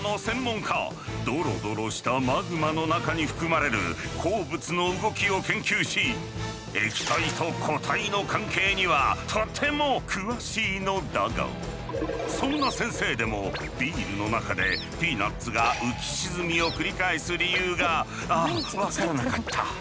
ドロドロしたマグマの中に含まれる鉱物の動きを研究し液体と固体の関係にはとても詳しいのだがそんな先生でもビールの中でピーナッツが浮き沈みを繰り返す理由が分からなかった。